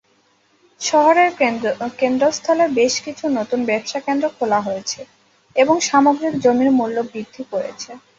শহরের কেন্দ্রস্থলে বেশ কিছু নতুন ব্যবসা কেন্দ্র খোলা হয়েছে এবং সামগ্রিক জমির মূল্য বৃদ্ধি করেছে।